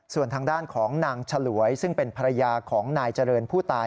ส่วนทางด้านของนางฉลวยซึ่งเป็นภรรยาของนายเจริญผู้ตาย